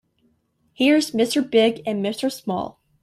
He's Mr. Big and Mr. Small.